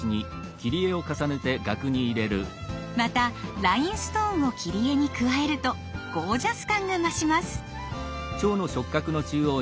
またラインストーンを切り絵に加えるとゴージャス感が増します。